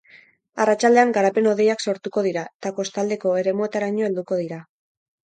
Arratsaldean garapen hodeiak sortuko dira eta kostaldeko eremuetaraino helduko dira.